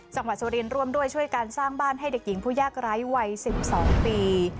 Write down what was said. จังหวัดสุรินทร์ร่วมด้วยช่วยการสร้างบ้านให้เด็กหญิงผู้ยากไร้วัย๑๒ปี